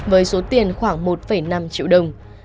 với số tiền khoảng một năm triệu đồng